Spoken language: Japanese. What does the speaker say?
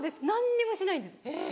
何にもしないんです。